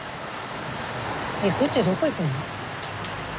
行くってどこ行くの？